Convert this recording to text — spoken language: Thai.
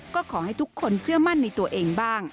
ก็ขอให้ทุกคนเชื่อมั่นในตัวเองบ้าง